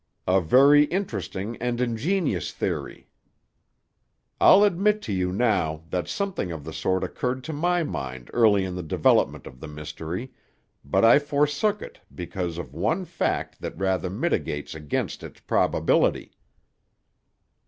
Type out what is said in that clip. "A very interesting and ingenious theory. I'll admit to you now that something of the sort occurred to my mind early in the development of the mystery, but I forsook it because of one fact that rather militates against its probability."